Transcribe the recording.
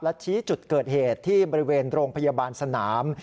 และชี้จุดเกิดเหตุที่บริเวณโรงพยาบาลสนาม